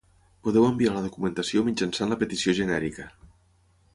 Podeu enviar la documentació mitjançant la petició genèrica.